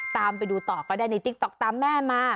ตามไปดูต่อก็ได้ในติ๊กต๊อกตามแม่มา